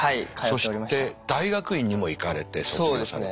そして大学院にも行かれて卒業されて。